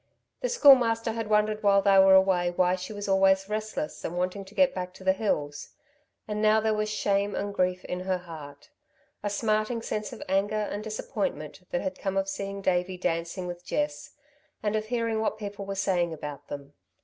The Schoolmaster had wondered while they were away why she was always restless and wanting to get back to the hills. And now there was shame and grief in her heart a smarting sense of anger and disappointment that had come of seeing Davey dancing with Jess, and of hearing what people were saying about them.